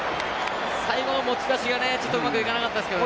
最後の持ち出しがうまくいかなかったですね。